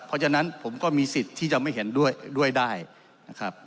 เพราะฉะนั้นผมก็มีสิทธิ์ที่จะไม่เห็นด้วยได้นะครับ